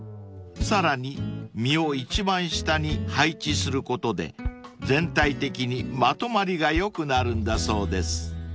［さらに実を一番下に配置することで全体的にまとまりが良くなるんだそうです］